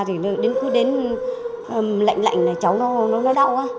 thì cứ đến lạnh lạnh là cháu nó đau